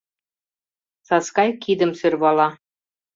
Саскай кидым сӧрвала...